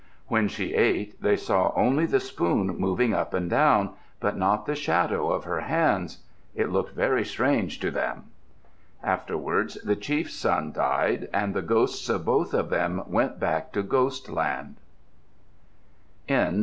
When she ate, they saw only the spoon moving up and down, but not the shadow of her hands. It looked very strange to them. Afterward the chief's son died and the ghosts of both of them went back to Ghost Land.